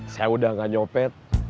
saya udah gak nyopet